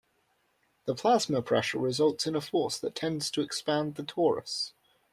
The plasma pressure results in a force that tends to expand the torus.